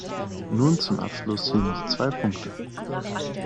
Nun zum Abschluss hier noch zwei Punkte.